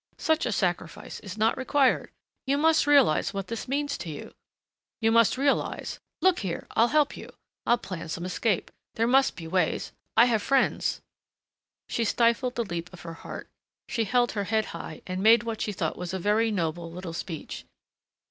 Such a sacrifice is not required.... You must realize what this means to you. You must realize Look here, I'll help you. I'll plan some escape. There must be ways. I have friends " She stifled the leap of her heart. She held her head high and made what she thought was a very noble little speech.